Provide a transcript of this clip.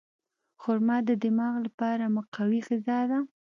خرما د دماغ لپاره مقوي غذا ده.